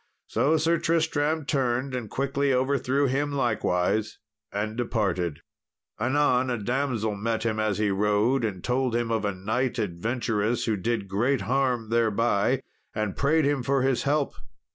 So Sir Tristram turned and quickly overthrew him likewise, and departed. Anon a damsel met him as he rode, and told him of a knight adventurous who did great harm thereby, and prayed him for his help.